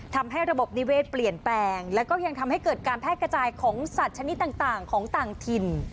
ทำให้ระบบนิเวศเปลี่ยนแปลงแล้วก็ยังทำให้เกิดการแพร่กระจายของสัตว์ชนิดต่างของต่างถิ่น